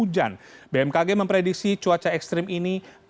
dua januari dua ribu dua puluh tiga